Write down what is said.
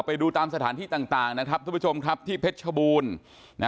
ไปดูตามสถานที่ต่างนะครับทุกผู้ชมครับที่เพชรชบูรณ์นะ